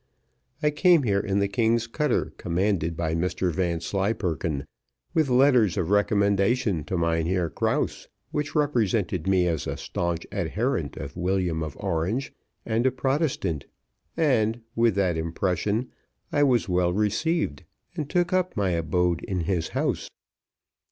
I came here in the king's cutter, commanded by Mr Vanslyperken, with letters of recommendation to Mynheer Krause, which represented me as a staunch adherent of William of Orange and a Protestant, and, with that impression, I was well received, and took up my abode in his house.